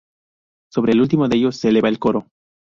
Sobre el último de ellos se eleva el coro.